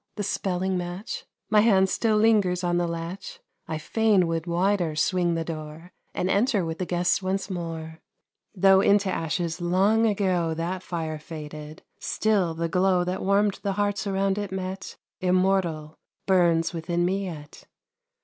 The spelling match! My hand still lingers on the latch, I fain would wider swing the door And enter with the guests once more. Though into ashes long ago That fire faded, still the glow That warmed the hearts around it met, Immortal, burns within me yet.